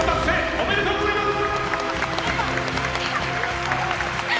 おめでとうございます！」。